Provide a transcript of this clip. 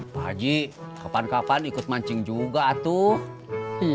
pak haji kapan kapan ikut mancing juga tuh